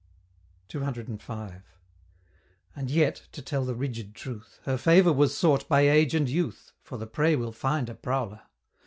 CCV. And yet to tell the rigid truth Her favor was sought by Age and Youth For the prey will find a prowler!